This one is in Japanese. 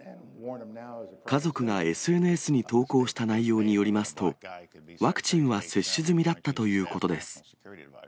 家族がＳＮＳに投稿した内容によりますと、ワクチンは接種済みだったということです。